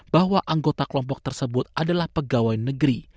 bahwa anggota kelompok tersebut adalah pegawai negeri